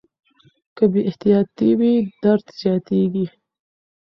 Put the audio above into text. که بې احتیاطي وي درد زیاتېږي.